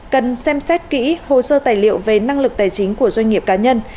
cần xem xét kỹ hồ sơ tài liệu về năng lực tài chính của doanh nghiệp cá nhân